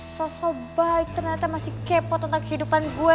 sosobah ternyata masih kepo tentang kehidupan gue